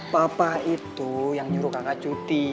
papa itu yang nyuruh kakak cuti